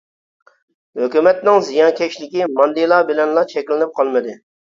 ھۆكۈمەتنىڭ زىيانكەشلىكى ماندىلا بىلەنلا چەكلىنىپ قالمىدى.